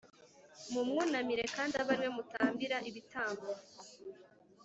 mumwunamire kandi abe ari we mutambira ibitambo